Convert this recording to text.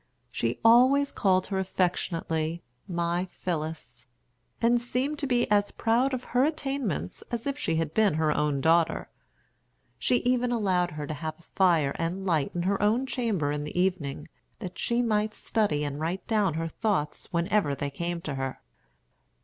She always called her affectionately, "My Phillis," and seemed to be as proud of her attainments as if she had been her own daughter. She even allowed her to have a fire and light in her own chamber in the evening, that she might study and write down her thoughts whenever they came to her.